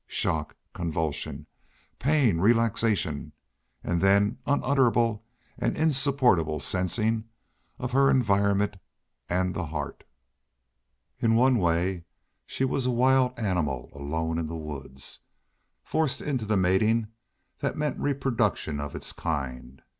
Shock, convulsion, pain, relaxation, and then unutterable and insupportable sensing of her environment and the heart! In one way she was a wild animal alone in the woods, forced into the mating that meant reproduction of its kind.